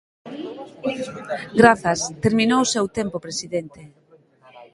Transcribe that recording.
Grazas, terminou o seu tempo, presidente.